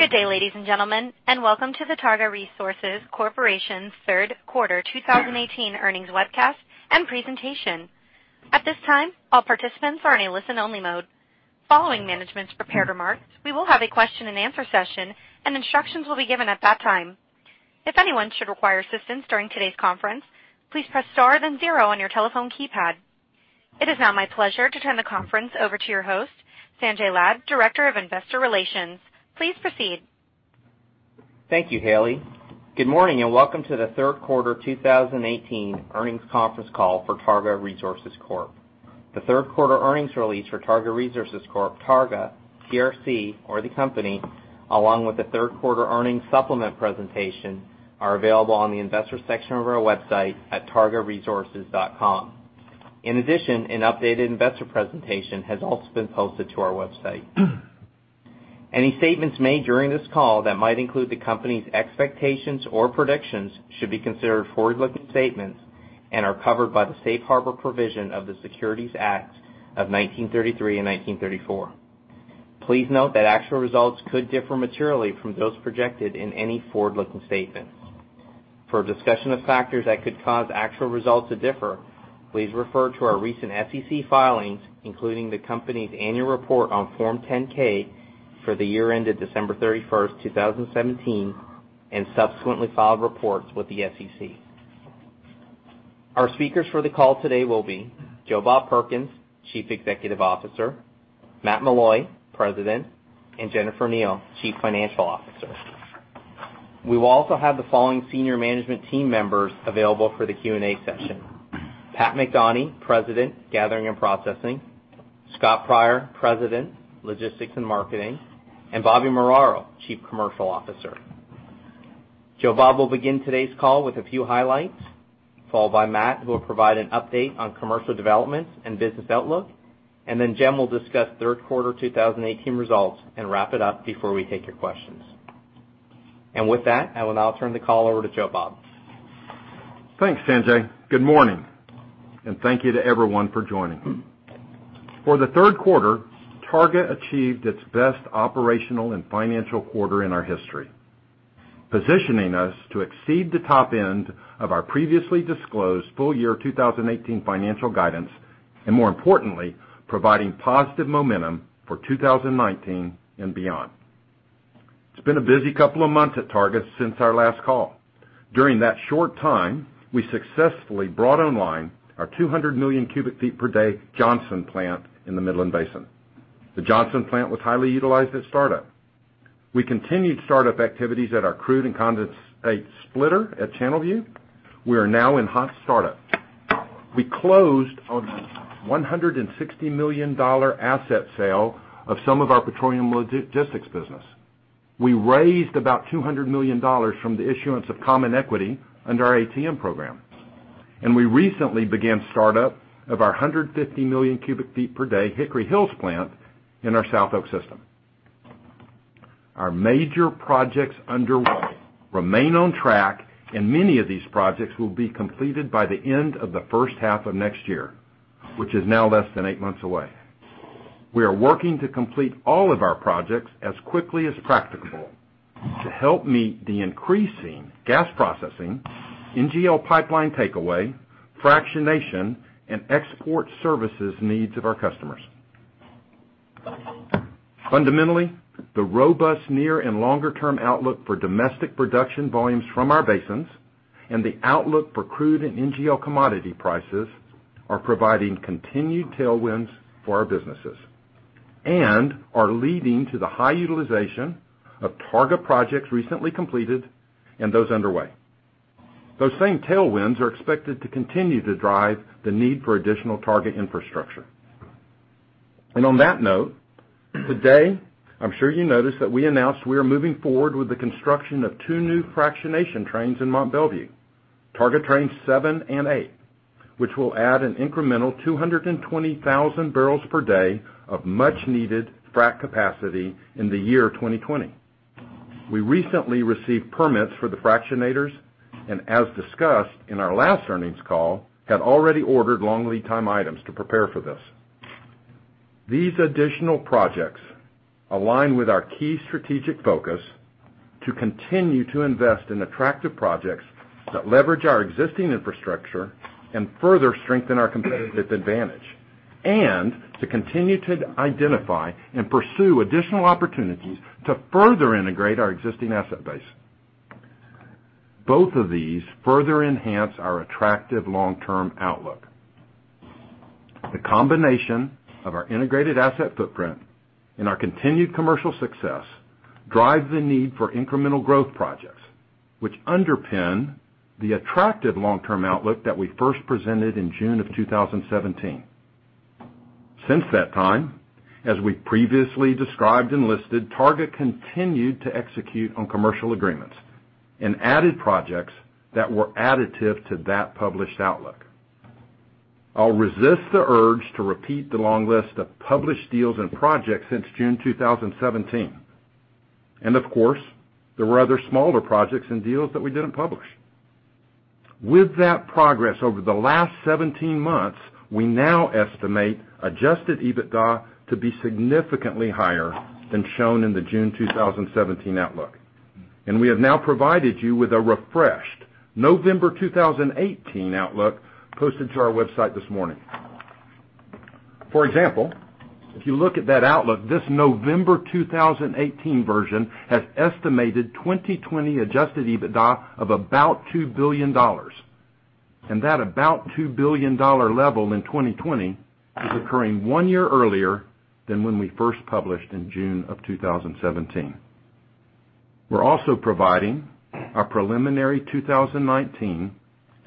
Good day, ladies and gentlemen. Welcome to the Targa Resources Corporation's third quarter 2018 earnings webcast and presentation. At this time, all participants are in a listen only mode. Following management's prepared remarks, we will have a question and answer session. Instructions will be given at that time. If anyone should require assistance during today's conference, please press star then zero on your telephone keypad. It is now my pleasure to turn the conference over to your host, Sanjay Lad, Director of Investor Relations. Please proceed. Thank you, Hailey. Good morning. Welcome to the third quarter 2018 earnings conference call for Targa Resources Corp. The third quarter earnings release for Targa Resources Corp., Targa, TRC or The Company, along with the third quarter earnings supplement presentation are available on the investor section of our website at targaresources.com. In addition, an updated investor presentation has also been posted to our website. Any statements made during this call that might include the company's expectations or predictions should be considered forward-looking statements and are covered by the Safe Harbor provision of the Securities Acts of 1933 and 1934. Please note that actual results could differ materially from those projected in any forward-looking statements. For a discussion of factors that could cause actual results to differ, please refer to our recent SEC filings, including the company's annual report on Form 10-K for the year ended December 31st, 2017. Subsequently filed reports with the SEC. Our speakers for the call today will be Joe Bob Perkins, Chief Executive Officer; Matt Meloy, President; and Jennifer Kneale, Chief Financial Officer. We will also have the following senior management team members available for the Q&A session: Pat McDonie, President, Gathering and Processing; Scott Pryor, President, Logistics and Marketing; and Bobby Muraro, Chief Commercial Officer. Joe Bob will begin today's call with a few highlights, followed by Matt, who will provide an update on commercial developments and business outlook. Jen will discuss third quarter 2018 results and wrap it up before we take your questions. With that, I will now turn the call over to Joe Bob. Thanks, Sanjay. Good morning. Thank you to everyone for joining. For the third quarter, Targa achieved its best operational and financial quarter in our history, positioning us to exceed the top end of our previously disclosed full year 2018 financial guidance, and more importantly, providing positive momentum for 2019 and beyond. It's been a busy couple of months at Targa since our last call. During that short time, we successfully brought online our 200 million cubic feet per day Johnson plant in the Midland Basin. The Johnson plant was highly utilized at startup. We continued startup activities at our crude and condensate splitter at Channelview. We are now in hot startup. We closed on a $160 million asset sale of some of our petroleum logistics business. We raised about $200 million from the issuance of common equity under our ATM program. We recently began startup of our 150 million cubic feet per day Hickory Hills plant in our South Oak system. Our major projects underway remain on track, and many of these projects will be completed by the end of the first half of next year, which is now less than 8 months away. We are working to complete all of our projects as quickly as practicable to help meet the increasing gas processing, NGL pipeline takeaway, fractionation, and export services needs of our customers. Fundamentally, the robust near and longer term outlook for domestic production volumes from our basins and the outlook for crude and NGL commodity prices are providing continued tailwinds for our businesses and are leading to the high utilization of Targa projects recently completed and those underway. Those same tailwinds are expected to continue to drive the need for additional Targa infrastructure. On that note, today, I'm sure you noticed that we announced we are moving forward with the construction of 2 new fractionation trains in Mont Belvieu, Targa train 7 and 8, which will add an incremental 220,000 barrels per day of much needed frack capacity in the year 2020. We recently received permits for the fractionators and, as discussed in our last earnings call, have already ordered long lead time items to prepare for this. These additional projects align with our key strategic focus to continue to invest in attractive projects that leverage our existing infrastructure and further strengthen our competitive advantage and to continue to identify and pursue additional opportunities to further integrate our existing asset base. Both of these further enhance our attractive long-term outlook. The combination of our integrated asset footprint and our continued commercial success drive the need for incremental growth projects, which underpin the attractive long-term outlook that we first presented in June of 2017. Since that time, as we previously described and listed, Targa continued to execute on commercial agreements and added projects that were additive to that published outlook. I'll resist the urge to repeat the long list of published deals and projects since June 2017, and of course, there were other smaller projects and deals that we didn't publish. With that progress over the last 17 months, we now estimate adjusted EBITDA to be significantly higher than shown in the June 2017 outlook. We have now provided you with a refreshed November 2018 outlook posted to our website this morning. For example, if you look at that outlook, this November 2018 version has estimated 2020 adjusted EBITDA of about $2 billion. That about $2 billion level in 2020 is occurring one year earlier than when we first published in June of 2017. We are also providing our preliminary 2019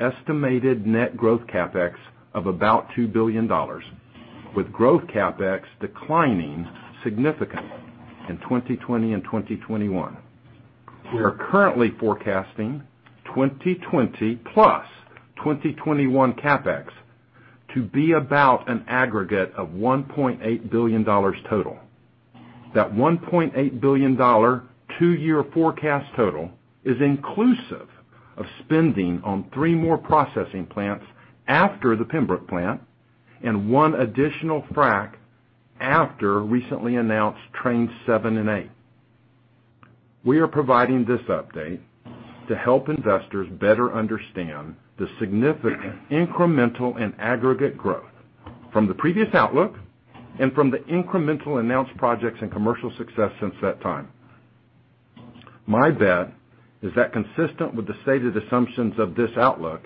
estimated net growth CapEx of about $2 billion, with growth CapEx declining significantly in 2020 and 2021. We are currently forecasting 2020 plus 2021 CapEx to be about an aggregate of $1.8 billion total. That $1.8 billion two-year forecast total is inclusive of spending on three more processing plants after the Pembrook plant and one additional frack after recently announced train seven and eight. We are providing this update to help investors better understand the significant incremental and aggregate growth from the previous outlook and from the incremental announced projects and commercial success since that time. My bet is that consistent with the stated assumptions of this outlook,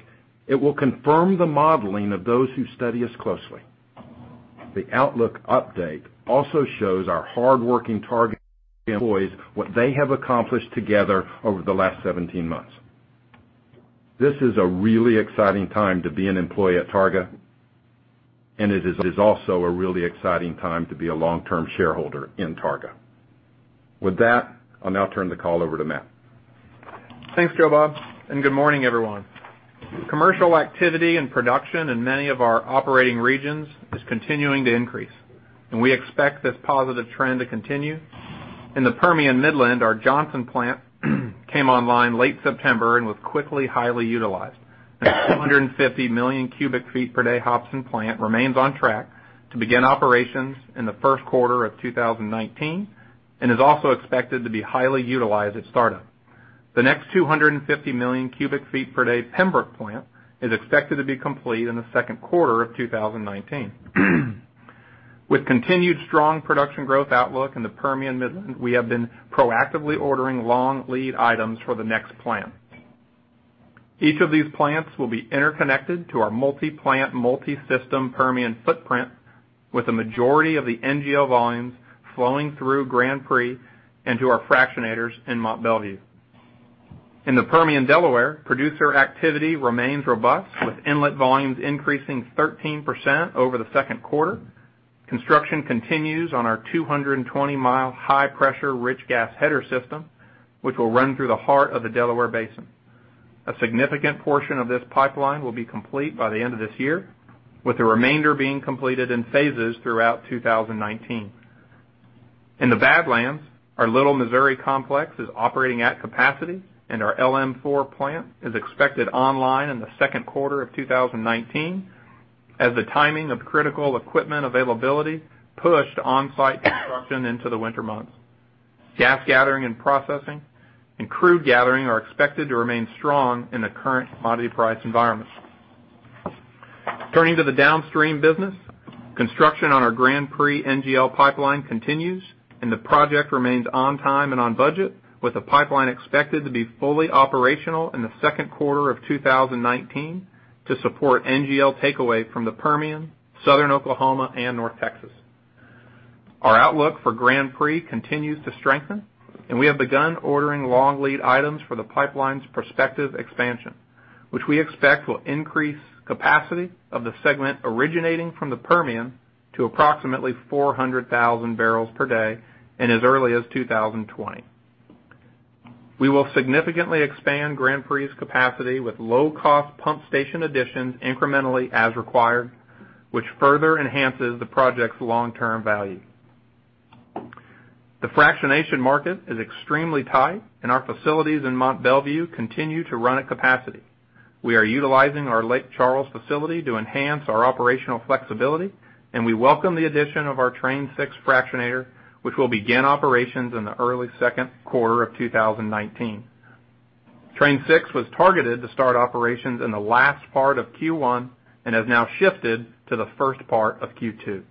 it will confirm the modeling of those who study us closely. The outlook update also shows our hardworking Targa employees what they have accomplished together over the last 17 months. This is a really exciting time to be an employee at Targa, and it is also a really exciting time to be a long-term shareholder in Targa. With that, I'll now turn the call over to Matt. Thanks, Joe Bob, and good morning, everyone. Commercial activity and production in many of our operating regions is continuing to increase, and we expect this positive trend to continue. In the Permian Midland, our Johnson plant came online late September and was quickly highly utilized. The 250 million cubic feet per day Hobson plant remains on track to begin operations in the first quarter of 2019 and is also expected to be highly utilized at startup. The next 250 million cubic feet per day Pembrook plant is expected to be complete in the second quarter of 2019. With continued strong production growth outlook in the Permian Midland, we have been proactively ordering long lead items for the next plant. Each of these plants will be interconnected to our multi-plant, multi-system Permian footprint, with the majority of the NGL volumes flowing through Grand Prix and to our fractionators in Mont Belvieu. In the Permian Delaware, producer activity remains robust, with inlet volumes increasing 13% over the second quarter. Construction continues on our 220-mile high-pressure rich gas header system, which will run through the heart of the Delaware Basin. A significant portion of this pipeline will be complete by the end of this year, with the remainder being completed in phases throughout 2019. In the Badlands, our Little Missouri complex is operating at capacity, and our LM4 plant is expected online in the second quarter of 2019 as the timing of critical equipment availability pushed on-site construction into the winter months. Gas Gathering and Processing and crude gathering are expected to remain strong in the current commodity price environment. Turning to the downstream business, construction on our Grand Prix NGL pipeline continues. The project remains on time and on budget, with the pipeline expected to be fully operational in the second quarter of 2019 to support NGL takeaway from the Permian, Southern Oklahoma and North Texas. Our outlook for Grand Prix continues to strengthen, and we have begun ordering long lead items for the pipeline's prospective expansion. Which we expect will increase capacity of the segment originating from the Permian to approximately 400,000 barrels per day in as early as 2020. We will significantly expand Grand Prix's capacity with low-cost pump station additions incrementally as required, which further enhances the project's long-term value. The fractionation market is extremely tight. Our facilities in Mont Belvieu continue to run at capacity. We are utilizing our Lake Charles facility to enhance our operational flexibility. We welcome the addition of our train 6 fractionator, which will begin operations in the early second quarter of 2019. Train 6 was targeted to start operations in the last part of Q1 and has now shifted to the first part of Q2.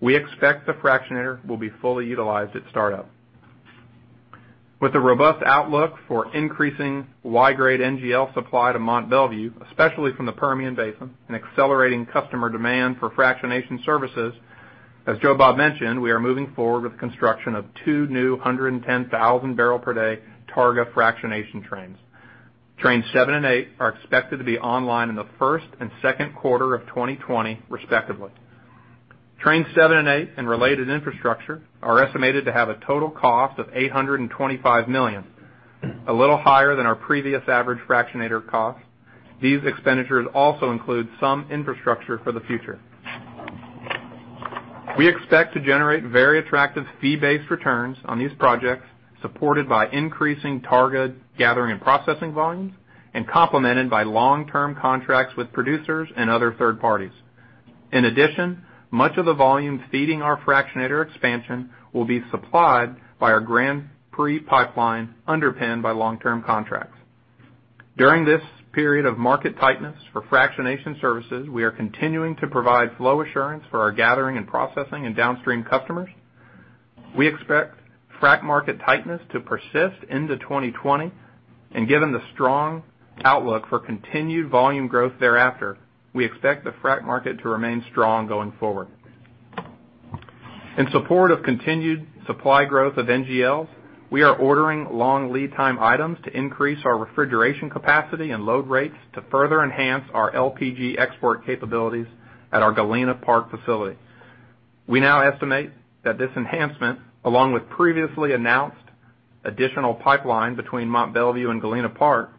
We expect the fractionator will be fully utilized at startup. With a robust outlook for increasing Y-grade NGL supply to Mont Belvieu, especially from the Permian Basin, and accelerating customer demand for fractionation services, as Joe Bob mentioned, we are moving forward with construction of two new 110,000 barrel per day Targa fractionation trains. Trains 7 and 8 are expected to be online in the first and second quarter of 2020, respectively. Trains 7 and 8 and related infrastructure are estimated to have a total cost of $825 million, a little higher than our previous average fractionator cost. These expenditures also include some infrastructure for the future. We expect to generate very attractive fee-based returns on these projects, supported by increasing Targa Gathering and Processing volumes, complemented by long-term contracts with producers and other third parties. In addition, much of the volume feeding our fractionator expansion will be supplied by our Grand Prix Pipeline, underpinned by long-term contracts. During this period of market tightness for fractionation services, we are continuing to provide flow assurance for our Gathering and Processing and downstream customers. We expect frac market tightness to persist into 2020. Given the strong outlook for continued volume growth thereafter, we expect the frac market to remain strong going forward. In support of continued supply growth of NGLs, we are ordering long lead time items to increase our refrigeration capacity and load rates to further enhance our LPG export capabilities at our Galena Park facility. We now estimate that this enhancement, along with previously announced additional pipeline between Mont Belvieu and Galena Park,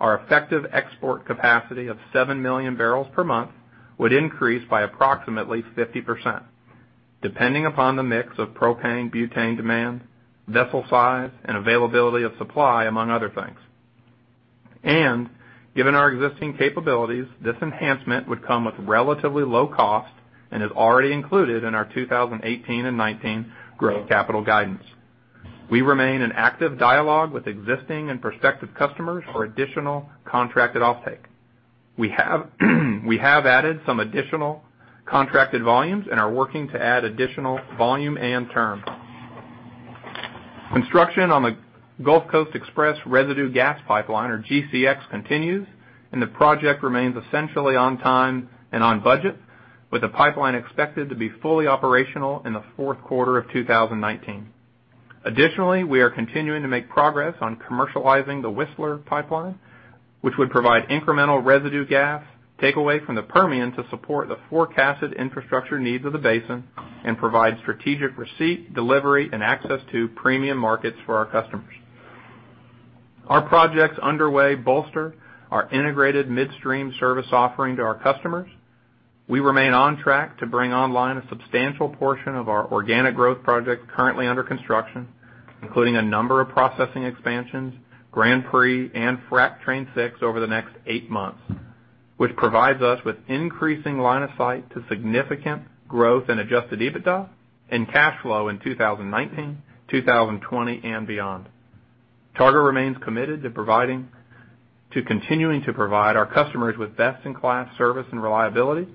our effective export capacity of 7 million barrels per month, would increase by approximately 50%, depending upon the mix of propane butane demand, vessel size, and availability of supply, among other things. Given our existing capabilities, this enhancement would come with relatively low cost and is already included in our 2018 and 2019 growth capital guidance. We remain in active dialogue with existing and prospective customers for additional contracted offtake. We have added some additional contracted volumes and are working to add additional volume and term. Construction on the Gulf Coast Express residue gas pipeline, or GCX, continues, and the project remains essentially on time and on budget, with the pipeline expected to be fully operational in the fourth quarter of 2019. Additionally, we are continuing to make progress on commercializing the Whistler Pipeline, which would provide incremental residue gas takeaway from the Permian to support the forecasted infrastructure needs of the basin and provide strategic receipt, delivery, and access to premium markets for our customers. Our projects underway bolster our integrated midstream service offering to our customers. We remain on track to bring online a substantial portion of our organic growth projects currently under construction, including a number of processing expansions, Grand Prix, and Frac Train Six over the next eight months, which provides us with increasing line of sight to significant growth in adjusted EBITDA and cash flow in 2019, 2020, and beyond. Targa remains committed to continuing to provide our customers with best-in-class service and reliability.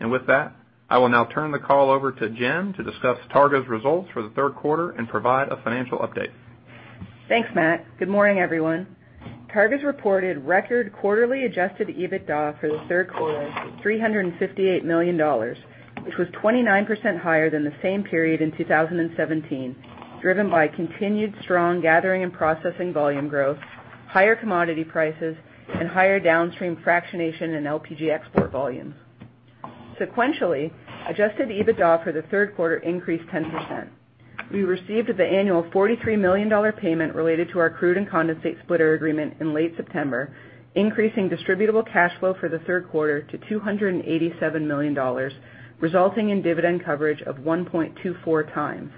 With that, I will now turn the call over to Jen to discuss Targa's results for the third quarter and provide a financial update. Thanks, Matt. Good morning, everyone. Targa's reported record quarterly adjusted EBITDA for the third quarter, $358 million, which was 29% higher than the same period in 2017, driven by continued strong gathering and processing volume growth, higher commodity prices, and higher downstream fractionation and LPG export volumes. Sequentially, adjusted EBITDA for the third quarter increased 10%. We received the annual $43 million payment related to our crude and condensate splitter agreement in late September, increasing distributable cash flow for the third quarter to $287 million, resulting in dividend coverage of 1.24 times.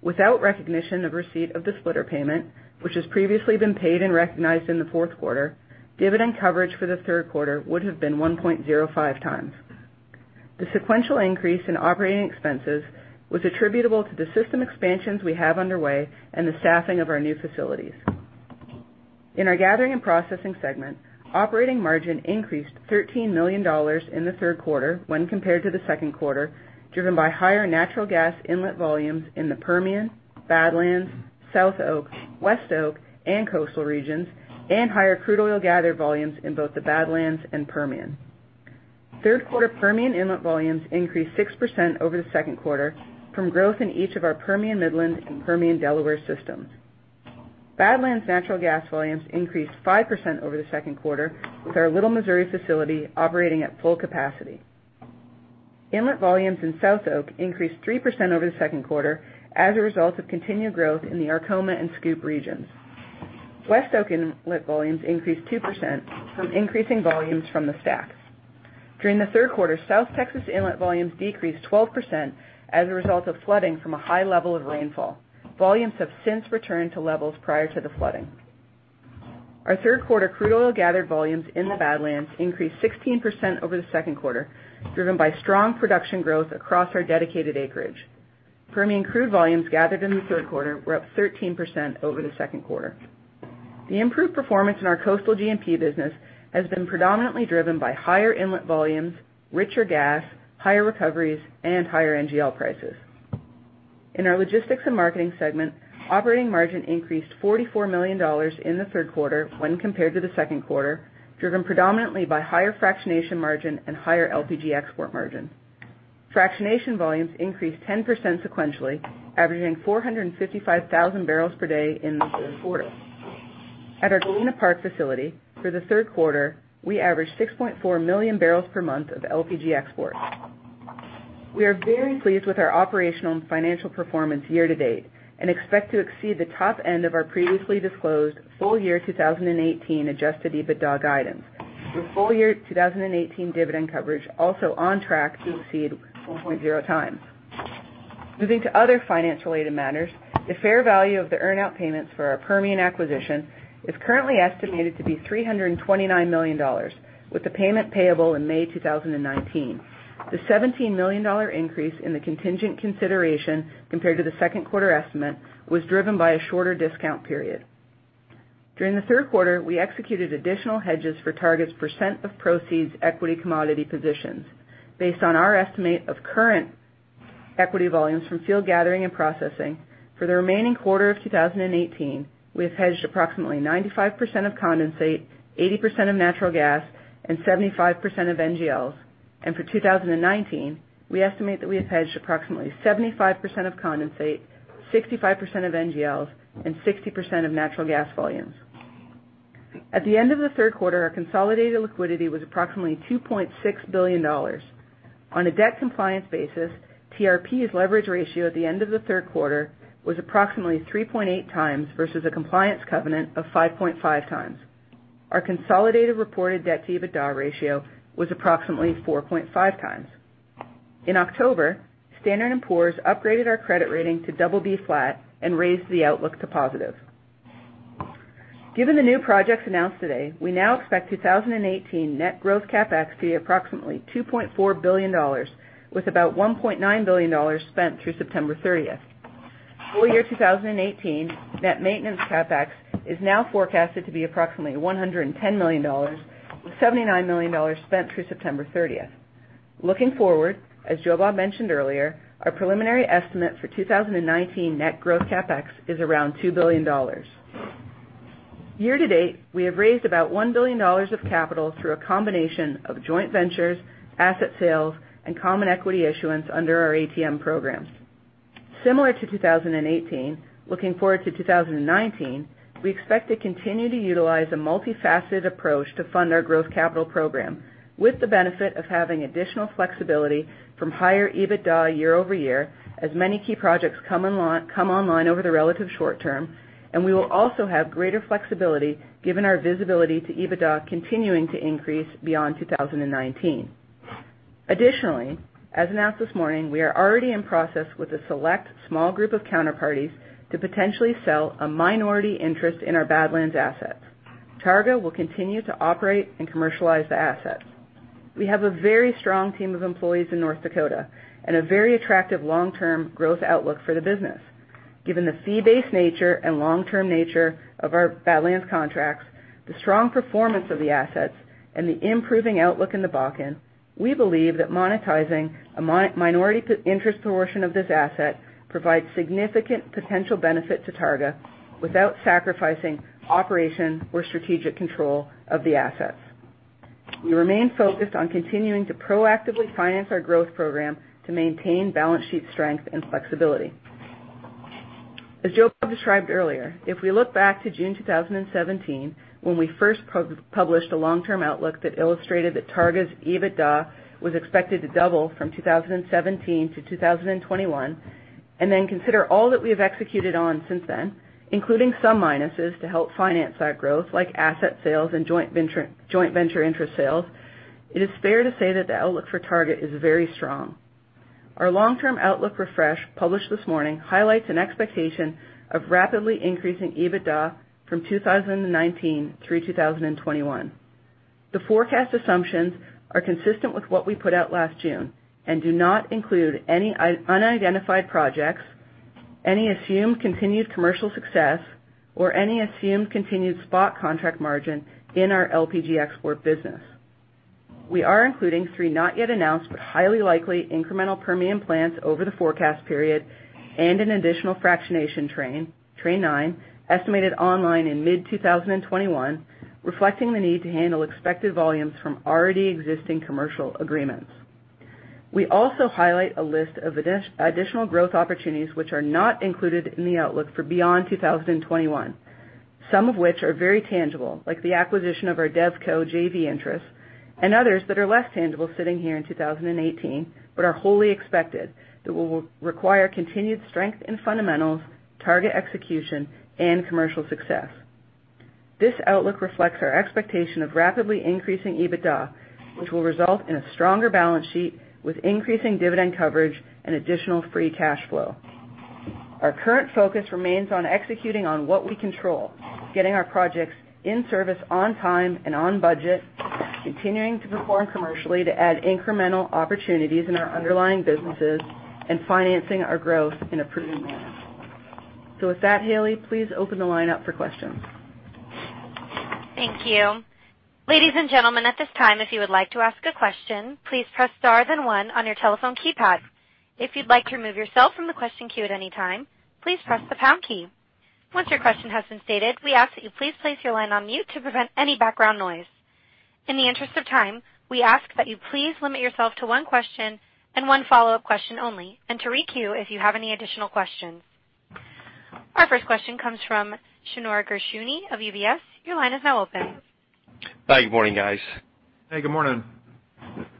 Without recognition of receipt of the splitter payment, which has previously been paid and recognized in the fourth quarter, dividend coverage for the third quarter would have been 1.05 times. The sequential increase in operating expenses was attributable to the system expansions we have underway and the staffing of our new facilities. In our gathering and processing segment, operating margin increased $13 million in the third quarter when compared to the second quarter, driven by higher natural gas inlet volumes in the Permian, Badlands, South Oak, West Oak, and coastal regions, and higher crude oil gathered volumes in both the Badlands and Permian. Third quarter Permian inlet volumes increased 6% over the second quarter from growth in each of our Permian Midland and Permian Delaware systems. Badlands natural gas volumes increased 5% over the second quarter, with our Little Missouri facility operating at full capacity. Inlet volumes in South Oak increased 3% over the second quarter as a result of continued growth in the Arkoma and Scoop regions. West Oak inlet volumes increased 2% from increasing volumes from the STACK. During the third quarter, South Texas inlet volumes decreased 12% as a result of flooding from a high level of rainfall. Volumes have since returned to levels prior to the flooding. Our third quarter crude oil gathered volumes in the Badlands increased 16% over the second quarter, driven by strong production growth across our dedicated acreage. Permian crude volumes gathered in the third quarter were up 13% over the second quarter. The improved performance in our coastal G&P business has been predominantly driven by higher inlet volumes, richer gas, higher recoveries, and higher NGL prices. In our logistics and marketing segment, operating margin increased $44 million in the third quarter when compared to the second quarter, driven predominantly by higher fractionation margin and higher LPG export margin. Fractionation volumes increased 10% sequentially, averaging 455,000 barrels per day in the third quarter. At our Galena Park facility for the third quarter, we averaged 6.4 million barrels per month of LPG exports. We are very pleased with our operational and financial performance year to date and expect to exceed the top end of our previously disclosed full year 2018 adjusted EBITDA guidance. With full year 2018 dividend coverage also on track to exceed 4.0 times. Moving to other finance-related matters, the fair value of the earn-out payments for our Permian acquisition is currently estimated to be $329 million, with the payment payable in May 2019. The $17 million increase in the contingent consideration compared to the second quarter estimate was driven by a shorter discount period. During the third quarter, we executed additional hedges for Targa's percent of proceeds equity commodity positions. Based on our estimate of current equity volumes from field gathering and processing, for the remaining quarter of 2018, we have hedged approximately 95% of condensate, 80% of natural gas, and 75% of NGLs. For 2019, we estimate that we have hedged approximately 75% of condensate, 65% of NGLs, and 60% of natural gas volumes. At the end of the third quarter, our consolidated liquidity was approximately $2.6 billion. On a debt compliance basis, TRP's leverage ratio at the end of the third quarter was approximately 3.8 times versus a compliance covenant of 5.5 times. Our consolidated reported debt-to-EBITDA ratio was approximately 4.5 times. In October, Standard & Poor's upgraded our credit rating to double B flat and raised the outlook to positive. Given the new projects announced today, we now expect 2018 net growth CapEx to be approximately $2.4 billion, with about $1.9 billion spent through September 30th. Full year 2018 net maintenance CapEx is now forecasted to be approximately $110 million, with $79 million spent through September 30th. Looking forward, as Joe Bob mentioned earlier, our preliminary estimate for 2019 net growth CapEx is around $2 billion. Year-to-date, we have raised about $1 billion of capital through a combination of joint ventures, asset sales, and common equity issuance under our ATM programs. Similar to 2018, looking forward to 2019, we expect to continue to utilize a multifaceted approach to fund our growth capital program with the benefit of having additional flexibility from higher EBITDA year-over-year, as many key projects come online over the relative short term, and we will also have greater flexibility given our visibility to EBITDA continuing to increase beyond 2019. Additionally, as announced this morning, we are already in process with a select small group of counterparties to potentially sell a minority interest in our Badlands assets. Targa will continue to operate and commercialize the assets. We have a very strong team of employees in North Dakota and a very attractive long-term growth outlook for the business. Given the fee-based nature and long-term nature of our Badlands contracts, the strong performance of the assets, and the improving outlook in the Bakken, we believe that monetizing a minority interest portion of this asset provides significant potential benefit to Targa without sacrificing operation or strategic control of the assets. We remain focused on continuing to proactively finance our growth program to maintain balance sheet strength and flexibility. As Joe Bob described earlier, if we look back to June 2017, when we first published a long-term outlook that illustrated that Targa's EBITDA was expected to double from 2017 to 2021. Consider all that we have executed on since then, including some minuses to help finance that growth, like asset sales and joint venture interest sales, it is fair to say that the outlook for Targa is very strong. Our long-term outlook refresh, published this morning, highlights an expectation of rapidly increasing EBITDA from 2019 through 2021. The forecast assumptions are consistent with what we put out last June and do not include any unidentified projects, any assumed continued commercial success, or any assumed continued spot contract margin in our LPG export business. We are including three not yet announced but highly likely incremental Permian plants over the forecast period and an additional fractionation train, Train 9, estimated online in mid-2021, reflecting the need to handle expected volumes from already existing commercial agreements. We also highlight a list of additional growth opportunities which are not included in the outlook for beyond 2021. Some of which are very tangible, like the acquisition of our DevCo JV interest, and others that are less tangible sitting here in 2018, but are wholly expected that will require continued strength in fundamentals, Targa execution, and commercial success. This outlook reflects our expectation of rapidly increasing EBITDA, which will result in a stronger balance sheet with increasing dividend coverage and additional free cash flow. Our current focus remains on executing on what we control, getting our projects in service on time and on budget, continuing to perform commercially to add incremental opportunities in our underlying businesses, and financing our growth in a prudent manner. With that, Hailey, please open the line up for questions. Thank you. Ladies and gentlemen, at this time, if you would like to ask a question, please press star then one on your telephone keypad. If you would like to remove yourself from the question queue at any time, please press the pound key. Once your question has been stated, we ask that you please place your line on mute to prevent any background noise. In the interest of time, we ask that you please limit yourself to one question and one follow-up question only, and to re-queue if you have any additional questions. Our first question comes from Shneur Gershuni of UBS. Your line is now open. Hi, good morning, guys. Hey, good morning.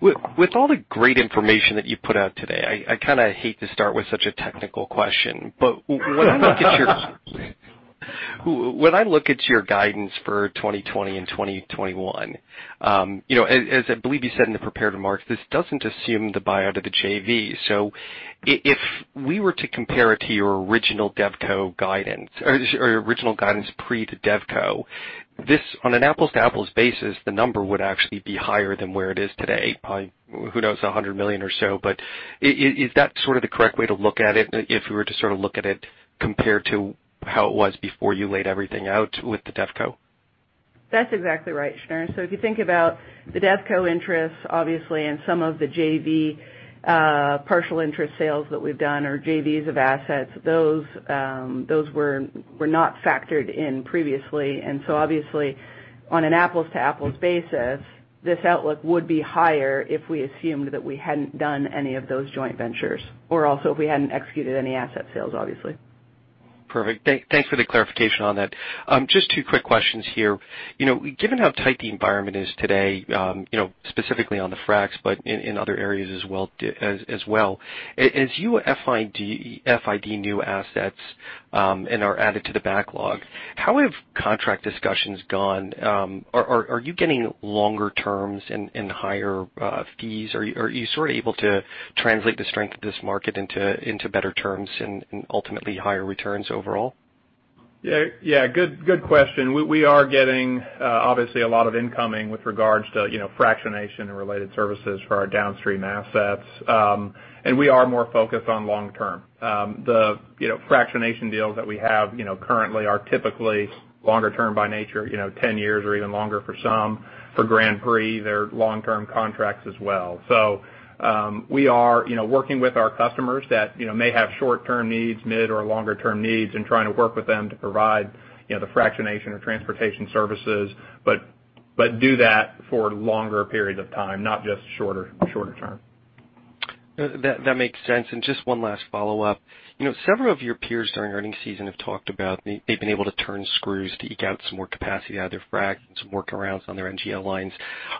With all the great information that you've put out today, I kind of hate to start with such a technical question. When I look at your guidance for 2020 and 2021, as I believe you said in the prepared remarks, this doesn't assume the buyout of the JV. So if we were to compare it to your original guidance pre to DevCo, on an apples-to-apples basis, the number would actually be higher than where it is today by, who knows, $100 million or so. Is that sort of the correct way to look at it, if we were to sort of look at it compared to how it was before you laid everything out with the DevCo? That's exactly right, Shneur. If you think about the DevCo interests, obviously, and some of the JV partial interest sales that we've done or JVs of assets, those were not factored in previously. Obviously, on an apples-to-apples basis, this outlook would be higher if we assumed that we hadn't done any of those joint ventures, or also if we hadn't executed any asset sales, obviously. Perfect. Thanks for the clarification on that. Just two quick questions here. Given how tight the environment is today, specifically on the fracs, but in other areas as well. As you FID new assets and are added to the backlog, how have contract discussions gone? Are you getting longer terms and higher fees? Are you sort of able to translate the strength of this market into better terms and ultimately higher returns overall? Yeah. Good question. We are getting, obviously, a lot of incoming with regards to fractionation and related services for our downstream assets. We are more focused on long term. The fractionation deals that we have currently are typically longer term by nature, 10 years or even longer for some. For Grand Prix, they're long-term contracts as well. We are working with our customers that may have short-term needs, mid or longer-term needs, and trying to work with them to provide the fractionation or transportation services, but do that for longer periods of time, not just shorter term. That makes sense. Just one last follow-up. Several of your peers during earning season have talked about they've been able to turn screws to eke out some more capacity out of their fracs and some workarounds on their NGL lines.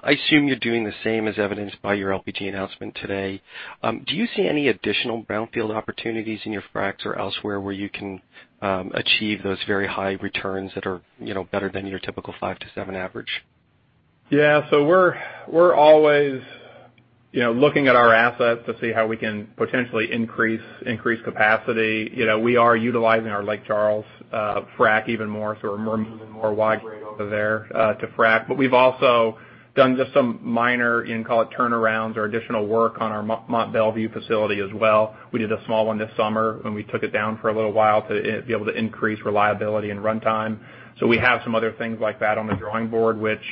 I assume you're doing the same as evidenced by your LPG announcement today. Do you see any additional brownfield opportunities in your fracs or elsewhere where you can achieve those very high returns that are better than your typical five to seven average? Yeah. We're always looking at our assets to see how we can potentially increase capacity. We are utilizing our Lake Charles frac even more, so we're moving more wide open there to frac. We've also done just some minor, you can call it turnarounds or additional work on our Mont Belvieu facility as well. We did a small one this summer when we took it down for a little while to be able to increase reliability and runtime. We have some other things like that on the drawing board, which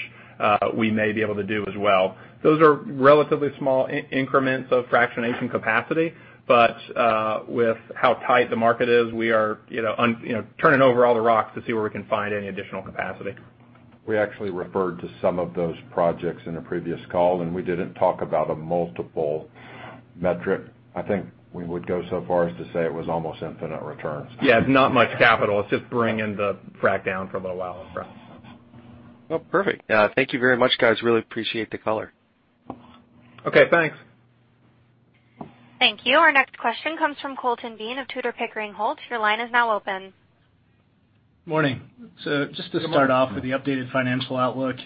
we may be able to do as well. Those are relatively small increments of fractionation capacity, but with how tight the market is, we are turning over all the rocks to see where we can find any additional capacity. We actually referred to some of those projects in a previous call, and we didn't talk about a multiple metric. I think we would go so far as to say it was almost infinite returns. Yeah. It's not much capital. It's just bringing the frac down for a little while. Perfect. Thank you very much, guys. Really appreciate the color. Okay, thanks. Thank you. Our next question comes from Colton Bean of Tudor, Pickering, Holt & Co. Your line is now open. Morning. Just to start off with the updated financial outlook,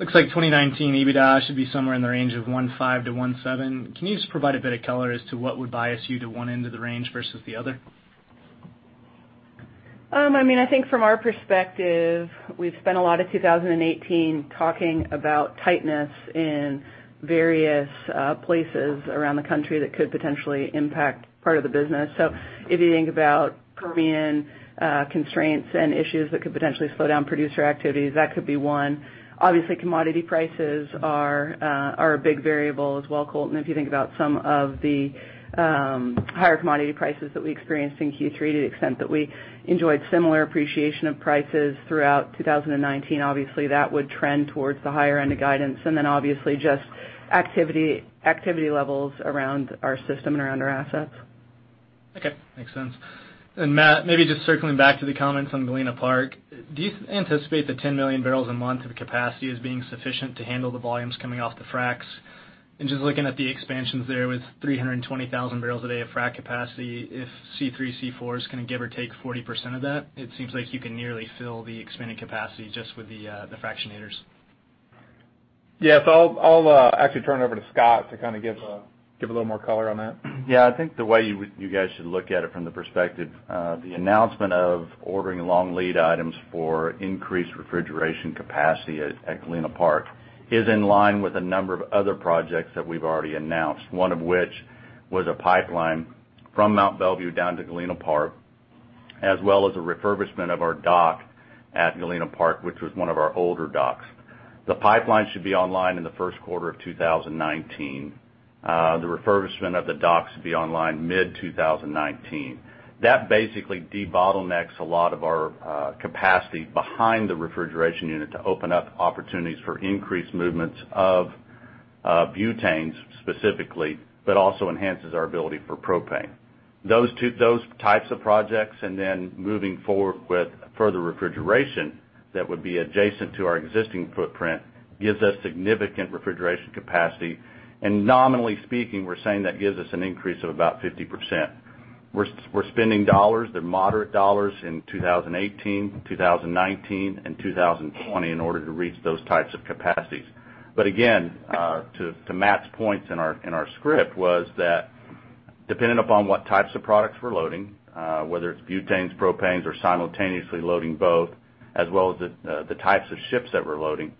looks like 2019 EBITDA should be somewhere in the range of $1.5-$1.7. Can you just provide a bit of color as to what would bias you to one end of the range versus the other? I think from our perspective, we've spent a lot of 2018 talking about tightness in various places around the country that could potentially impact part of the business. If you think about Permian constraints and issues that could potentially slow down producer activities, that could be one. Obviously, commodity prices are a big variable as well, Colton. If you think about some of the higher commodity prices that we experienced in Q3, to the extent that we enjoyed similar appreciation of prices throughout 2019, obviously, that would trend towards the higher end of guidance. Obviously just activity levels around our system and around our assets. Okay. Makes sense. Matt, maybe just circling back to the comments on Galena Park. Do you anticipate the 10 million barrels a month of capacity as being sufficient to handle the volumes coming off the fracs? Just looking at the expansions there with 320,000 barrels a day of frac capacity, if C3, C4 is going to give or take 40% of that, it seems like you can nearly fill the expanded capacity just with the fractionators. I'll actually turn it over to Scott Pryor to kind of give a little more color on that. I think the way you guys should look at it from the perspective, the announcement of ordering long lead items for increased refrigeration capacity at Galena Park is in line with a number of other projects that we've already announced, one of which was a pipeline from Mont Belvieu down to Galena Park, as well as a refurbishment of our dock at Galena Park, which was one of our older docks. The pipeline should be online in the first quarter of 2019. The refurbishment of the dock should be online mid-2019. That basically de-bottlenecks a lot of our capacity behind the refrigeration unit to open up opportunities for increased movements of butanes specifically, but also enhances our ability for propane. Those types of projects, then moving forward with further refrigeration that would be adjacent to our existing footprint, gives us significant refrigeration capacity. Nominally speaking, we're saying that gives us an increase of about 50%. We're spending dollars, they're moderate dollars, in 2018, 2019, and 2020 in order to reach those types of capacities. Again, to Matt's points in our script was that depending upon what types of products we're loading, whether it's butanes, propanes, or simultaneously loading both, as well as the types of ships that we're loading,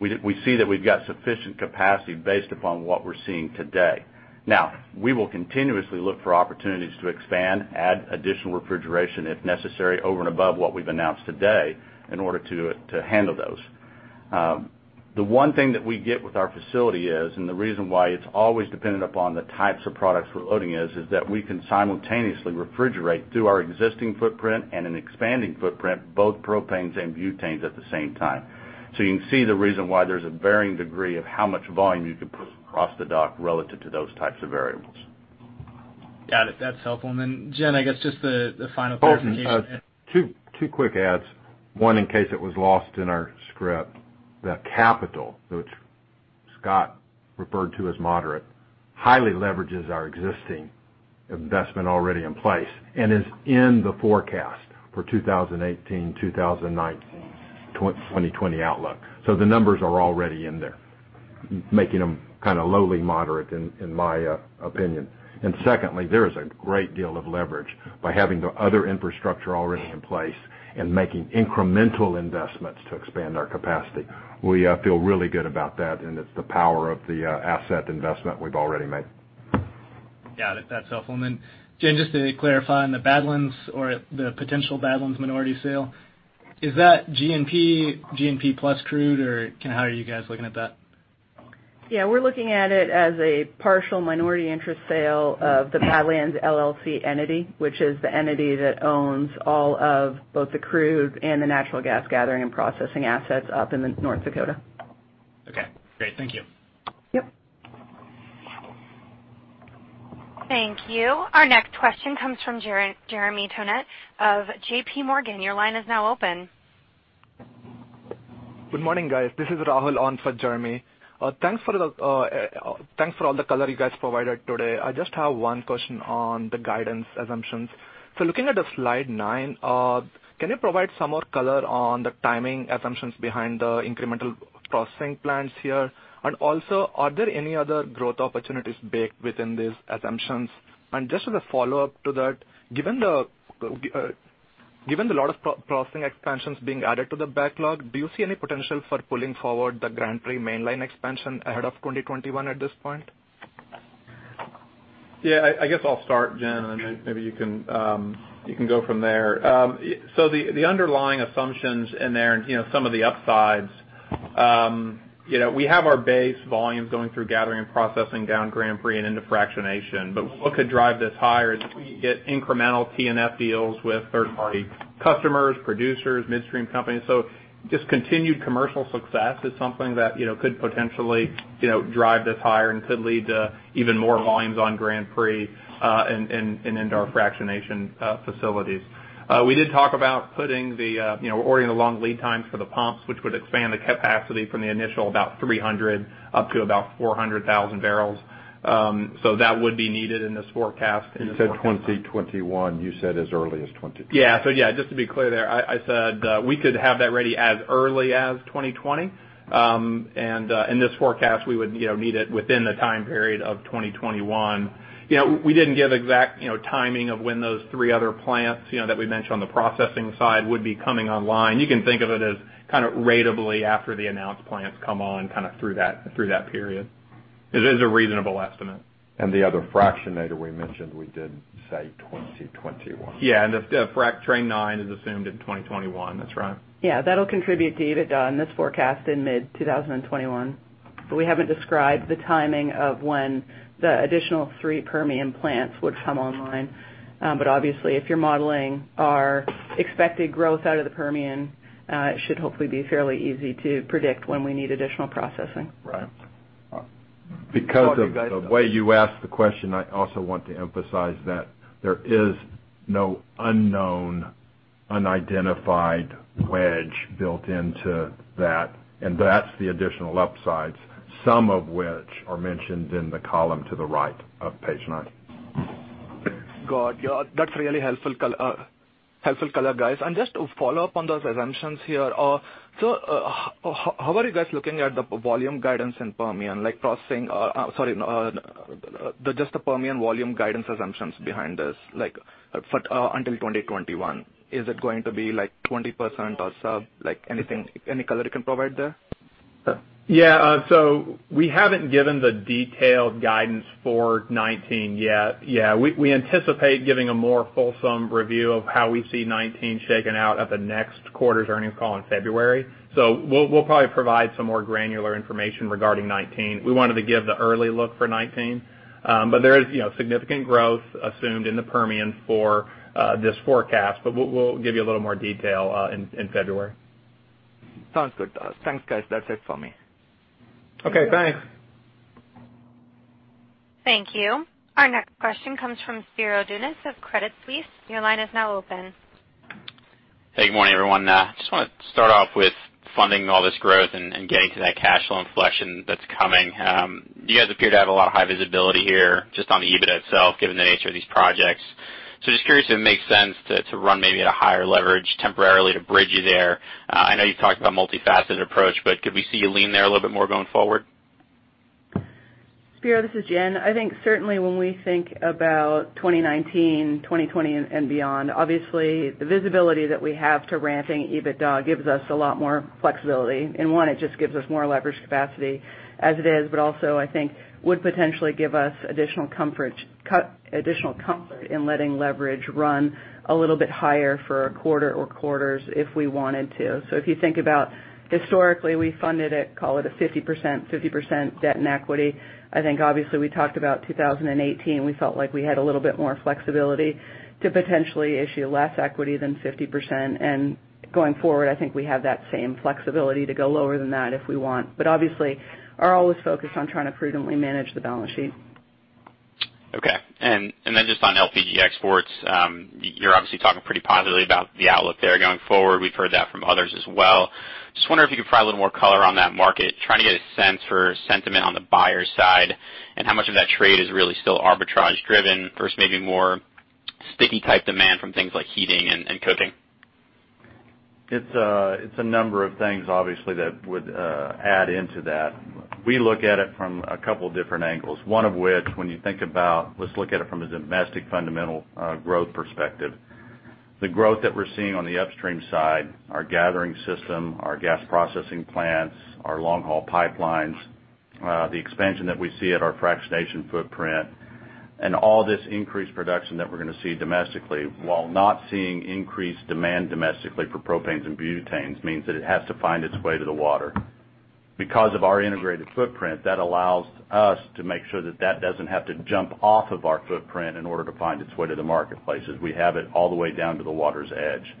we see that we've got sufficient capacity based upon what we're seeing today. We will continuously look for opportunities to expand, add additional refrigeration if necessary, over and above what we've announced today in order to handle those. The one thing that we get with our facility is, and the reason why it's always dependent upon the types of products we're loading is that we can simultaneously refrigerate through our existing footprint and an expanding footprint, both propanes and butanes at the same time. You can see the reason why there's a varying degree of how much volume you can put across the dock relative to those types of variables. Got it. That's helpful. Jen, I guess just the final clarification. Two quick adds. One, in case it was lost in our script, the capital, which Scott referred to as moderate, highly leverages our existing investment already in place and is in the forecast for 2018, 2019, 2020 outlook. The numbers are already in there, making them kind of lowly moderate, in my opinion. Secondly, there is a great deal of leverage by having the other infrastructure already in place and making incremental investments to expand our capacity. We feel really good about that, and it's the power of the asset investment we've already made. Got it. That's helpful. Jen, just to clarify on the Badlands or the potential Badlands minority sale, is that G&P, G&P plus crude, or how are you guys looking at that? Yeah, we're looking at it as a partial minority interest sale of the Badlands LLC entity, which is the entity that owns all of both the crude and the natural gas gathering and processing assets up in North Dakota. Okay, great. Thank you. Yep. Thank you. Our next question comes from Jeremy Tonet of J.P. Morgan. Your line is now open. Good morning, guys. This is Rahul on for Jeremy. Thanks for all the color you guys provided today. I just have one question on the guidance assumptions. Looking at the slide nine, can you provide some more color on the timing assumptions behind the incremental processing plans here? Also, are there any other growth opportunities baked within these assumptions? Just as a follow-up to that, given the lot of processing expansions being added to the backlog, do you see any potential for pulling forward the Grand Prix mainline expansion ahead of 2021 at this point? I guess I'll start, Jen, and then maybe you can go from there. The underlying assumptions in there and some of the upsides, we have our base volumes going through gathering and processing down Grand Prix and into fractionation. What could drive this higher is we get incremental T&F deals with third-party customers, producers, midstream companies. Just continued commercial success is something that could potentially drive this higher and could lead to even more volumes on Grand Prix and into our fractionation facilities. We did talk about, we're ordering the long lead times for the pumps, which would expand the capacity from the initial about 300 up to about 400,000 barrels. That would be needed in this forecast. You said 2021. You said as early as 2020. Yeah. Just to be clear there, I said we could have that ready as early as 2020. In this forecast, we would need it within the time period of 2021. We didn't give exact timing of when those three other plants that we mentioned on the processing side would be coming online. You can think of it as kind of ratably after the announced plants come on, kind of through that period. It is a reasonable estimate. The other fractionator we mentioned, we did say 2021. Yeah, Frac Train Nine is assumed in 2021. That's right. Yeah. That'll contribute to EBITDA in this forecast in mid-2021. We haven't described the timing of when the additional three Permian plants would come online. Obviously, if you're modeling our expected growth out of the Permian, it should hopefully be fairly easy to predict when we need additional processing. Right. All right. Because of the way you asked the question, I also want to emphasize that there is no unknown, unidentified wedge built into that. That's the additional upsides, some of which are mentioned in the column to the right of page nine. Got you. That's really helpful color, guys. Just to follow up on those assumptions here. How are you guys looking at the volume guidance in Permian, sorry, just the Permian volume guidance assumptions behind this until 2021? Is it going to be 20% or sub? Any color you can provide there? Yeah. We haven't given the detailed guidance for 2019 yet. We anticipate giving a more fulsome review of how we see 2019 shaken out at the next quarter's earnings call in February. We'll probably provide some more granular information regarding 2019. We wanted to give the early look for 2019. There is significant growth assumed in the Permian for this forecast. We'll give you a little more detail in February. Sounds good. Thanks, guys. That's it for me. Okay, thanks. Thank you. Our next question comes from Spiro Dounis of Credit Suisse. Your line is now open. Hey, good morning, everyone. Just want to start off with funding all this growth and getting to that cash flow inflection that's coming. You guys appear to have a lot of high visibility here just on the EBITDA itself, given the nature of these projects. Just curious if it makes sense to run maybe at a higher leverage temporarily to bridge you there. I know you've talked about multifaceted approach, but could we see you lean there a little bit more going forward? Spiro, this is Jen. I think certainly when we think about 2019, 2020, and beyond, obviously the visibility that we have to ramping EBITDA gives us a lot more flexibility. One, it just gives us more leverage capacity as it is, but also I think would potentially give us additional comfort in letting leverage run a little bit higher for a quarter or quarters if we wanted to. If you think about historically, we funded it, call it a 50%-50% debt and equity. I think obviously we talked about 2018. We felt like we had a little bit more flexibility to potentially issue less equity than 50%. Going forward, I think we have that same flexibility to go lower than that if we want. Obviously, are always focused on trying to prudently manage the balance sheet. Okay. Then just on LPG exports, you're obviously talking pretty positively about the outlook there going forward. We've heard that from others as well. Just wonder if you could provide a little more color on that market, trying to get a sense for sentiment on the buyer's side and how much of that trade is really still arbitrage driven versus maybe more sticky type demand from things like heating and cooking. It's a number of things, obviously, that would add into that. We look at it from a couple different angles, one of which when you think about, let's look at it from a domestic fundamental growth perspective. The growth that we're seeing on the upstream side, our gathering system, our gas processing plants, our long-haul pipelines, the expansion that we see at our fractionation footprint, and all this increased production that we're going to see domestically, while not seeing increased demand domestically for propanes and butanes, means that it has to find its way to the water. Because of our integrated footprint, that allows us to make sure that that doesn't have to jump off of our footprint in order to find its way to the marketplace, as we have it all the way down to the water's edge.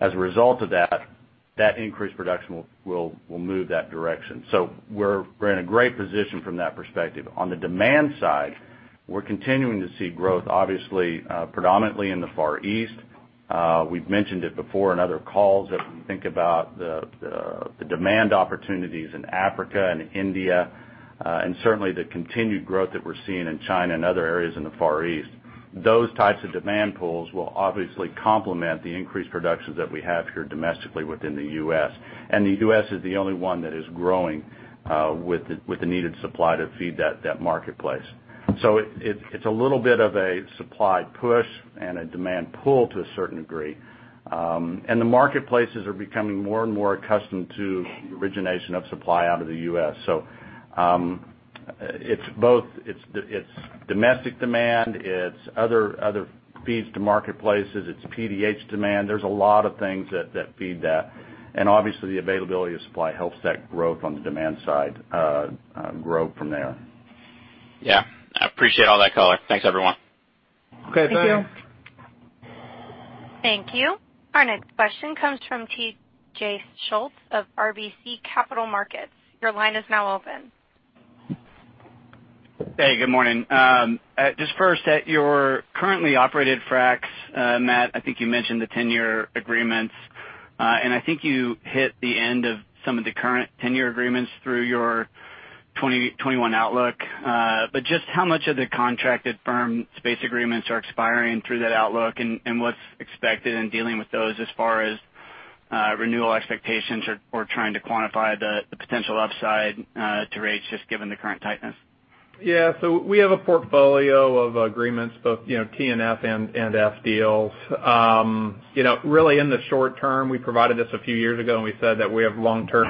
As a result of that increased production will move that direction. We're in a great position from that perspective. On the demand side, we're continuing to see growth, obviously, predominantly in the Far East. We've mentioned it before in other calls, if we think about the demand opportunities in Africa and India, and certainly the continued growth that we're seeing in China and other areas in the Far East. Those types of demand pools will obviously complement the increased productions that we have here domestically within the U.S. The U.S. is the only one that is growing with the needed supply to feed that marketplace. It's a little bit of a supply push and a demand pull to a certain degree. The marketplaces are becoming more and more accustomed to origination of supply out of the U.S. It's both. It's domestic demand, it's other feeds to marketplaces, it's PDH demand. There's a lot of things that feed that. Obviously the availability of supply helps that growth on the demand side grow from there. Yeah. I appreciate all that color. Thanks, everyone. Okay, thanks. Thank you. Thank you. Our next question comes from TJ Schultz of RBC Capital Markets. Your line is now open. Hey, good morning. Just first, at your currently operated fracs, Matt, I think you mentioned the tenure agreements. I think you hit the end of some of the current tenure agreements through your 2021 outlook. Just how much of the contracted firm space agreements are expiring through that outlook and what's expected in dealing with those as far as renewal expectations or trying to quantify the potential upside to rates just given the current tightness? Yeah. We have a portfolio of agreements, both T&F and F deals. Really in the short term, we provided this a few years ago, we said that we have long-term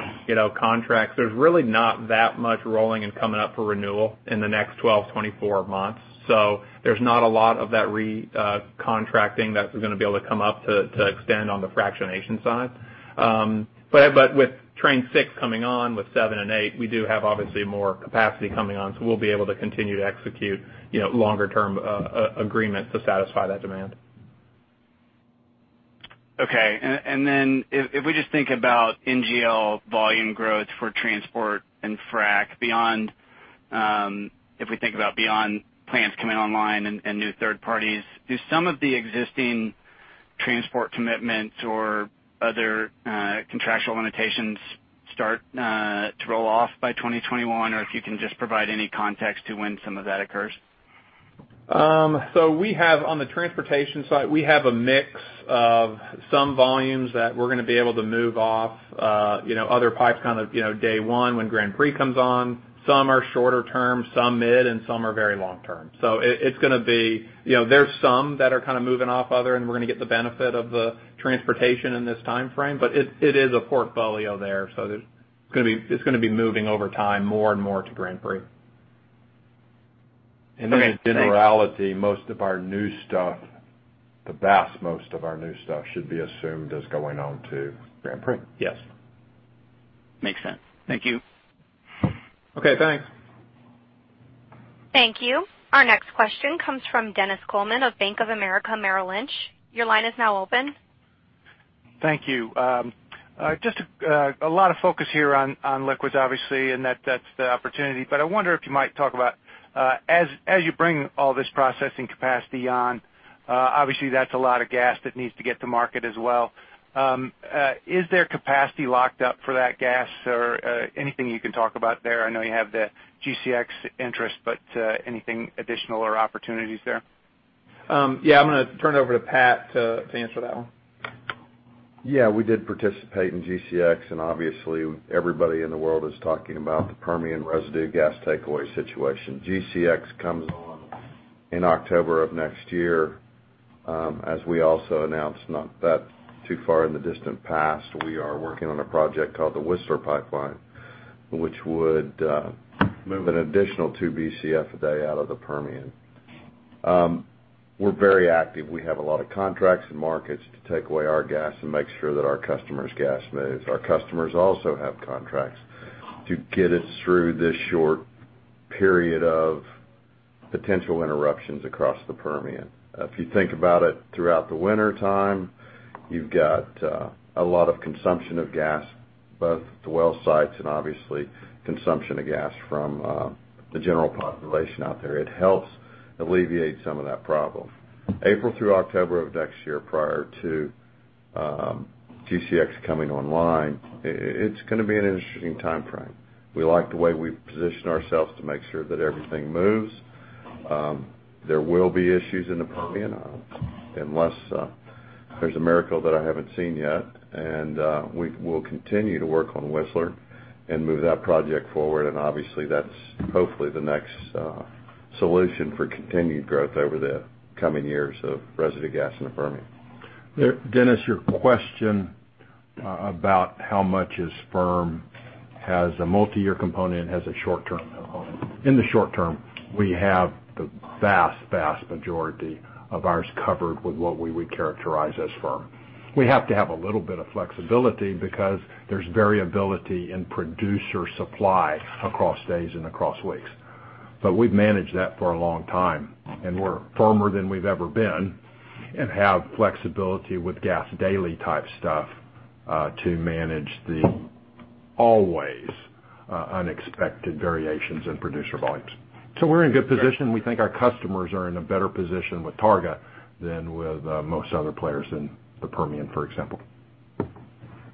contracts. There's really not that much rolling and coming up for renewal in the next 12, 24 months. There's not a lot of that recontracting that is going to be able to come up to extend on the fractionation side. With train six coming on with seven and eight, we do have obviously more capacity coming on, so we'll be able to continue to execute longer-term agreements to satisfy that demand. Okay. Then if we just think about NGL volume growth for transport and frac beyond, if we think about beyond plants coming online and new third parties, do some of the existing transport commitments or other contractual limitations start to roll off by 2021? If you can just provide any context to when some of that occurs. We have on the transportation side, we have a mix of some volumes that we're going to be able to move off other pipes kind of day one when Grand Prix comes on. Some are shorter term, some mid, and some are very long term. There's some that are kind of moving off other, and we're going to get the benefit of the transportation in this time frame, but it is a portfolio there. It's going to be moving over time more and more to Grand Prix. Great. Thanks. Then in generality, most of our new stuff, the vast most of our new stuff should be assumed as going on to Grand Prix. Yes. Makes sense. Thank you. Okay, thanks. Thank you. Our next question comes from Dennis Coleman of Bank of America Merrill Lynch. Your line is now open. Thank you. Just a lot of focus here on liquids, obviously, and that's the opportunity. I wonder if you might talk about as you bring all this processing capacity on, obviously that's a lot of gas that needs to get to market as well. Is there capacity locked up for that gas or anything you can talk about there? I know you have the GCX interest, but anything additional or opportunities there? I'm going to turn it over to Pat to answer that one. We did participate in GCX, obviously everybody in the world is talking about the Permian residue gas takeaway situation. GCX comes on in October of next year. As we also announced, not that too far in the distant past, we are working on a project called the Whistler Pipeline, which would move an additional two BCF a day out of the Permian. We're very active. We have a lot of contracts and markets to take away our gas and make sure that our customers' gas moves. Our customers also have contracts to get us through this short period of potential interruptions across the Permian. If you think about it throughout the wintertime, you've got a lot of consumption of gas, both at the well sites and obviously consumption of gas from the general population out there. It helps alleviate some of that problem. April through October of next year prior to GCX coming online, it's going to be an interesting timeframe. We like the way we position ourselves to make sure that everything moves. There will be issues in the Permian unless there's a miracle that I haven't seen yet, we will continue to work on Whistler and move that project forward. Obviously, that's hopefully the next solution for continued growth over the coming years of residue gas in the Permian. Dennis, your question about how much is firm has a multi-year component, has a short-term component. In the short term, we have the vast majority of ours covered with what we would characterize as firm. We have to have a little bit of flexibility because there's variability in producer supply across days and across weeks. We've managed that for a long time, and we're firmer than we've ever been and have flexibility with gas daily type stuff to manage the always unexpected variations in producer volumes. We're in a good position. We think our customers are in a better position with Targa than with most other players in the Permian, for example.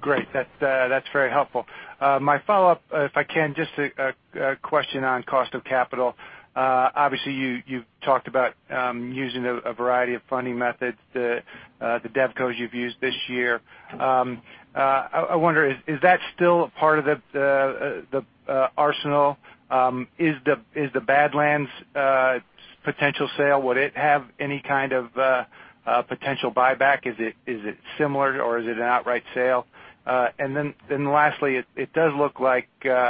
Great. That's very helpful. My follow-up, if I can, just a question on cost of capital. Obviously, you talked about using a variety of funding methods, the DevCos you've used this year. I wonder, is that still a part of the arsenal? Is the Badlands potential sale, would it have any kind of potential buyback? Is it similar or is it an outright sale? Lastly, it does look like you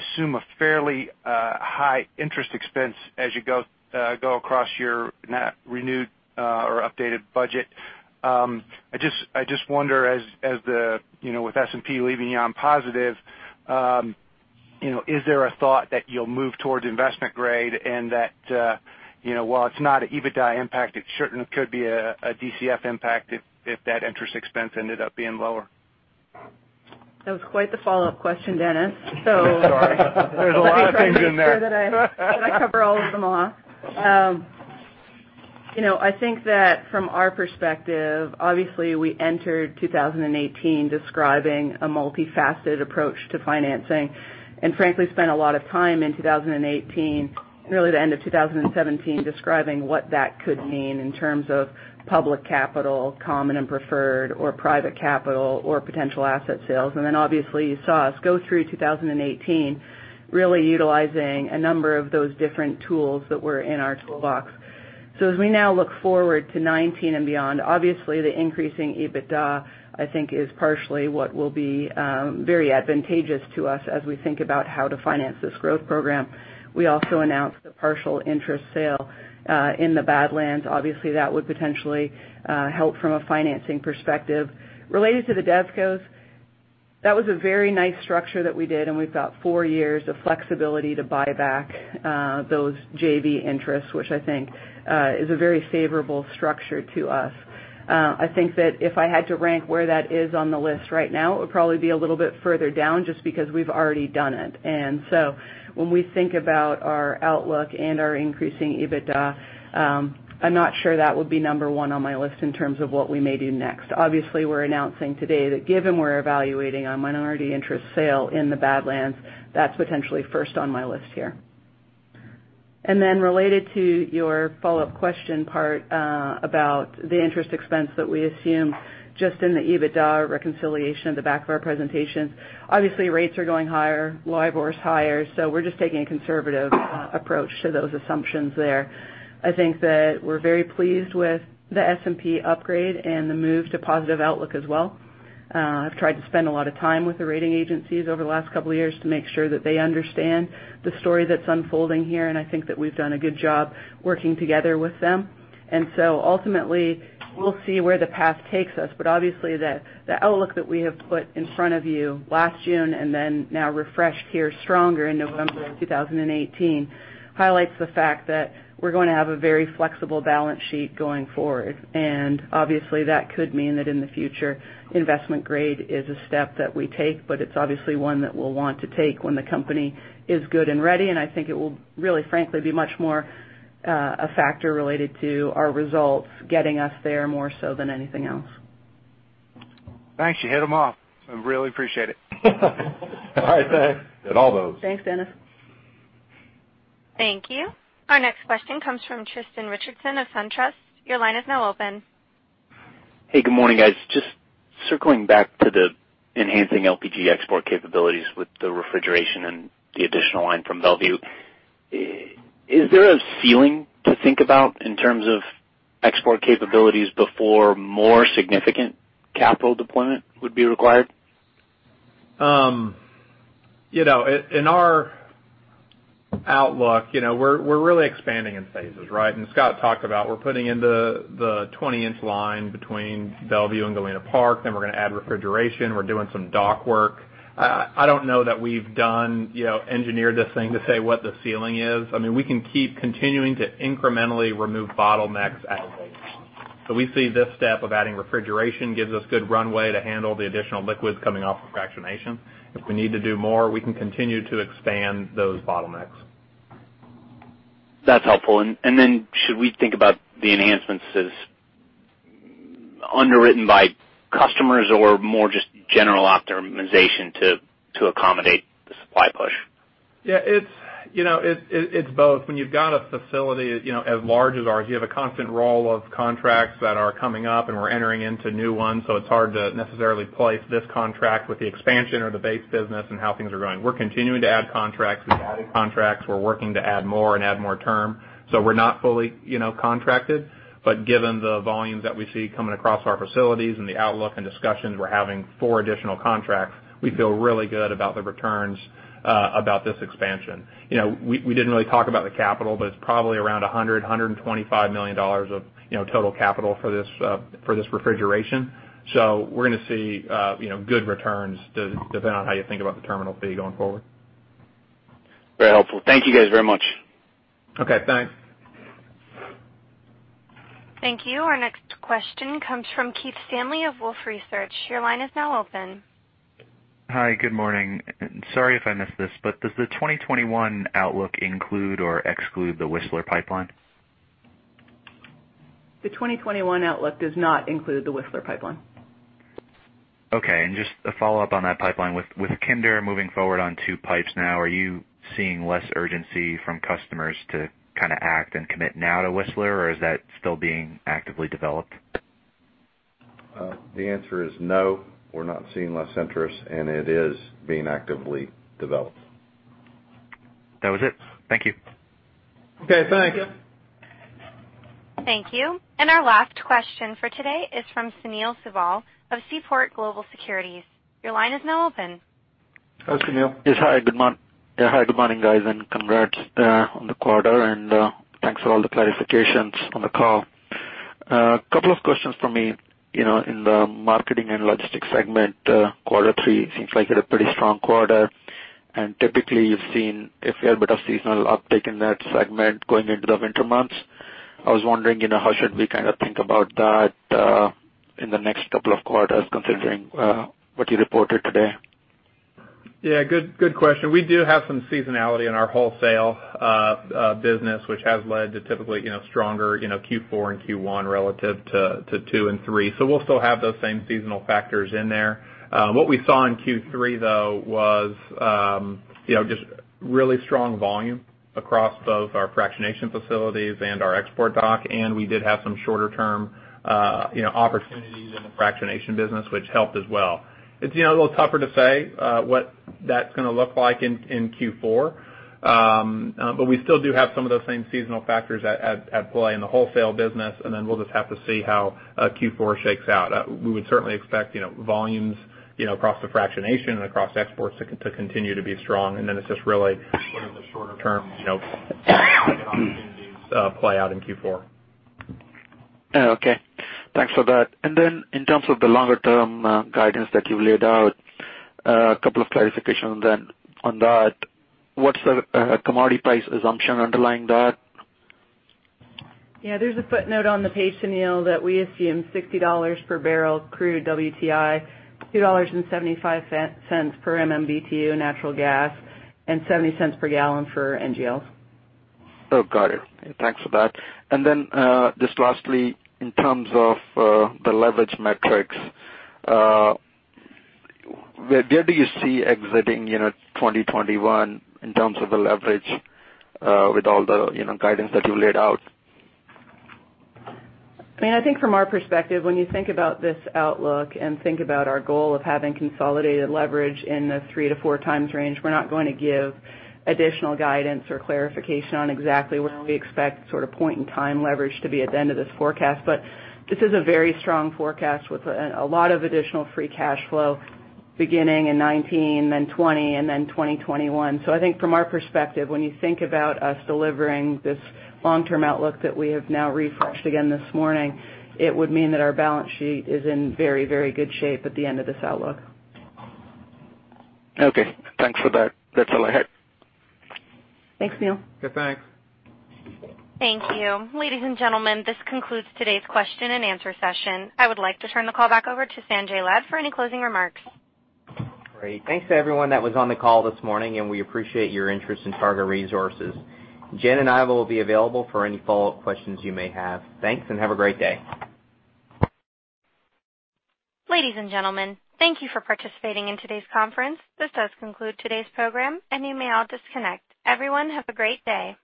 assume a fairly high interest expense as you go across your net renewed or updated budget. I just wonder as with S&P leaving you on positive, is there a thought that you'll move towards investment grade and that while it's not an EBITDA impact, it certainly could be a DCF impact if that interest expense ended up being lower? That was quite the follow-up question, Dennis. Sorry. There's a lot of things in there. Let me try to make sure that I cover all of them off. I think that from our perspective, obviously, we entered 2018 describing a multifaceted approach to financing, frankly, spent a lot of time in 2018, really the end of 2017, describing what that could mean in terms of public capital, common and preferred, or private capital or potential asset sales. Obviously you saw us go through 2018 really utilizing a number of those different tools that were in our toolbox. As we now look forward to 2019 and beyond, obviously the increasing EBITDA, I think is partially what will be very advantageous to us as we think about how to finance this growth program. We also announced the partial interest sale in the Badlands. Obviously, that would potentially help from a financing perspective. Related to the DevCo, that was a very nice structure that we did, we've got four years of flexibility to buy back those JV interests, which I think is a very favorable structure to us. I think that if I had to rank where that is on the list right now, it would probably be a little bit further down just because we've already done it. So when we think about our outlook and our increasing EBITDA, I'm not sure that would be number one on my list in terms of what we may do next. Obviously, we're announcing today that given we're evaluating a minority interest sale in the Badlands, that's potentially first on my list here. Then related to your follow-up question part about the interest expense that we assume just in the EBITDA reconciliation at the back of our presentation. Obviously, rates are going higher, LIBOR is higher, so we're just taking a conservative approach to those assumptions there. I think that we're very pleased with the S&P upgrade and the move to positive outlook as well. I've tried to spend a lot of time with the rating agencies over the last couple of years to make sure that they understand the story that's unfolding here, and I think that we've done a good job working together with them. So ultimately, we'll see where the path takes us. Obviously, the outlook that we have put in front of you last June and then now refreshed here stronger in November of 2018, highlights the fact that we're going to have a very flexible balance sheet going forward. Obviously, that could mean that in the future, investment grade is a step that we take, but it's obviously one that we'll want to take when the company is good and ready. I think it will frankly, be much more a factor related to our results getting us there more so than anything else. Thanks. You hit them all. I really appreciate it. All right. Thanks. Hit all those. Thanks, Dennis. Thank you. Our next question comes from Tristan Richardson of SunTrust. Your line is now open. Hey, good morning, guys. Just circling back to the enhancing LPG export capabilities with the refrigeration and the additional line from Mont Belvieu. Is there a ceiling to think about in terms of export capabilities before more significant capital deployment would be required? In our outlook, we're really expanding in phases, right? Scott talked about, we're putting in the 20-inch line between Mont Belvieu and Galena Park, then we're going to add refrigeration. We're doing some dock work. I don't know that we've engineered this thing to say what the ceiling is. We can keep continuing to incrementally remove bottlenecks as we go along. We see this step of adding refrigeration gives us good runway to handle the additional liquids coming off of fractionation. If we need to do more, we can continue to expand those bottlenecks. That's helpful. Should we think about the enhancements as underwritten by customers or more just general optimization to accommodate the supply push? Yeah, it's both. When you've got a facility as large as ours, you have a constant roll of contracts that are coming up, and we're entering into new ones, so it's hard to necessarily place this contract with the expansion or the base business and how things are going. We're continuing to add contracts. We've added contracts. We're working to add more and add more term. We're not fully contracted, but given the volumes that we see coming across our facilities and the outlook and discussions we're having for additional contracts, we feel really good about the returns about this expansion. We didn't really talk about the capital, but it's probably around $100 million, $125 million of total capital for this refrigeration. We're going to see good returns, depending on how you think about the terminal fee going forward. Very helpful. Thank you guys very much. Okay, thanks. Thank you. Our next question comes from Keith Stanley of Wolfe Research. Your line is now open. Hi. Good morning. Sorry if I missed this, does the 2021 outlook include or exclude the Whistler Pipeline? The 2021 outlook does not include the Whistler Pipeline. Okay. Just a follow-up on that pipeline. With Kinder moving forward on two pipes now, are you seeing less urgency from customers to act and commit now to Whistler, or is that still being actively developed? The answer is no, we're not seeing less interest, and it is being actively developed. That was it. Thank you. Okay, thanks. Thank you. Our last question for today is from Sunil Sibal of Seaport Global Securities. Your line is now open. Hi, Sunil. Yes. Hi, good morning, guys, congrats on the quarter, thanks for all the clarifications on the call. A couple of questions from me. In the marketing and logistics segment, quarter three seems like you had a pretty strong quarter. Typically, you've seen a fair bit of seasonal uptick in that segment going into the winter months. I was wondering, how should we think about that in the next couple of quarters, considering what you reported today? Good question. We do have some seasonality in our wholesale business, which has led to typically stronger Q4 and Q1 relative to two and three. We'll still have those same seasonal factors in there. What we saw in Q3, though, was just really strong volume across both our fractionation facilities and our export dock, and we did have some shorter-term opportunities in the fractionation business, which helped as well. It's a little tougher to say what that's going to look like in Q4. We still do have some of those same seasonal factors at play in the wholesale business, and then we'll just have to see how Q4 shakes out. We would certainly expect volumes across the fractionation and across exports to continue to be strong, and then it's just really sort of the shorter-term opportunities play out in Q4. Okay. Thanks for that. In terms of the longer-term guidance that you've laid out, a couple of clarifications then on that. What's the commodity price assumption underlying that? Yeah. There's a footnote on the page, Sunil, that we assume $60 per barrel crude WTI, $2.75 per MMBtu natural gas, and $0.70 per gallon for NGLs. Oh, got it. Thanks for that. Just lastly, in terms of the leverage metrics, where do you see exiting 2021 in terms of the leverage with all the guidance that you laid out? I think from our perspective, when you think about this outlook and think about our goal of having consolidated leverage in the three to four times range, we're not going to give additional guidance or clarification on exactly where we expect point-in-time leverage to be at the end of this forecast. This is a very strong forecast with a lot of additional free cash flow beginning in 2019, then 2020, and then 2021. I think from our perspective, when you think about us delivering this long-term outlook that we have now refreshed again this morning, it would mean that our balance sheet is in very, very good shape at the end of this outlook. Okay. Thanks for that. That's all I had. Thanks, Sunil. Yeah, thanks. Thank you. Ladies and gentlemen, this concludes today's question and answer session. I would like to turn the call back over to Sanjay Lad for any closing remarks. Great. Thanks to everyone that was on the call this morning, and we appreciate your interest in Targa Resources. Jen and I will be available for any follow-up questions you may have. Thanks, and have a great day. Ladies and gentlemen, thank you for participating in today's conference. This does conclude today's program, and you may all disconnect. Everyone, have a great day.